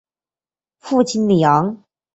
父亲李晟。